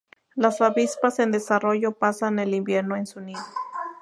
Las avispas en desarrollo pasan el invierno en su nido.